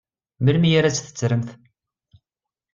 Melmi ara tt-tettremt?